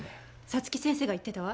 早月先生が言ってたわ。